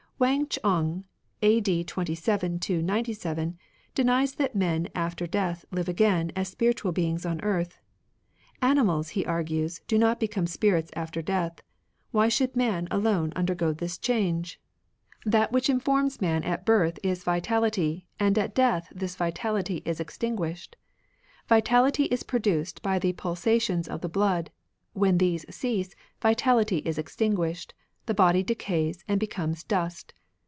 Wang Ch'img, a.d. 27 97, denies ^^ung. *^^^"^^^ after death live again as spiritual beings on earth. '' Animals," he argues, " do not become spirits after death ; why should man alone undergo this change ? 51 RELIGIONS OF ANCIENT CHINA .... That which informs man at birth is vitality, and at death this vitaUty is ex tinguished. Vitality is produced by the pulsa tions of the blood ; when these cease, vitaUty is extinguished, the body decays, and becomes dust.